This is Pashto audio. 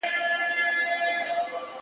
کور پسري ارمانونه مې پخلا کړه